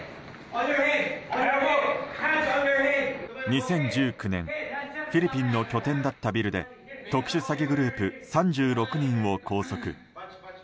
２０１９年フィリピンの拠点だったビルで特殊詐欺グループ３６人を拘束。